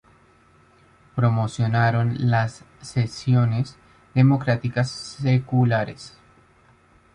Promocionaron las secciones democráticas seculares.